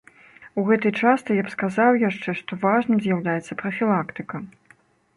У гэтай частцы я б сказаў яшчэ, што важным з'яўляецца прафілактыка.